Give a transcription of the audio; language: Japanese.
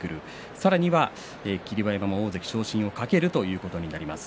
さらには霧馬山も大関昇進を懸けるということになります。